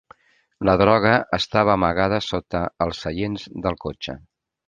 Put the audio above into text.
La droga estava amagada sota els seients del cotxe.